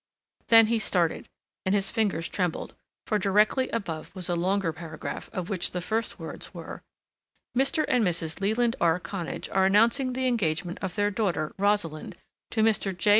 Then he started, and his fingers trembled, for directly above was a longer paragraph of which the first words were: "Mr. and Mrs. Leland R. Connage are announcing the engagement of their daughter, Rosalind, to Mr. J.